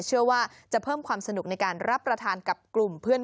เชื่อว่าจะเพิ่มความสนุกในการรับประทานกับกลุ่มเพื่อน